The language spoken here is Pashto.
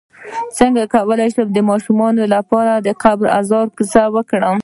څنګه کولی شم د ماشومانو لپاره د قبر عذاب کیسه وکړم